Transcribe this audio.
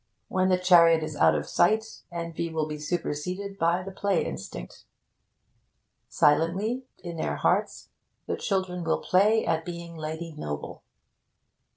When the chariot is out of sight, envy will be superseded by the play instinct. Silently, in their hearts, the children will play at being Lady Noble....